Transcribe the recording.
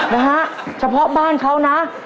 นะฮะเฉพาะบ้านเขานะ